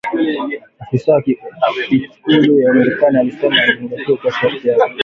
Afisa wa ikulu ya Marekani alisema akizungumza kwa sharti la kutotajwa jina ili aweze kuzungumzia uidhinishaji huo mpya